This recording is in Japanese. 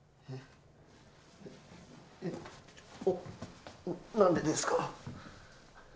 えっ？何でですか？